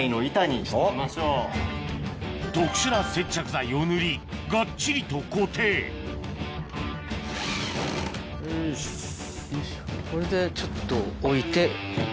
特殊ながっちりと固定これでちょっと置いて。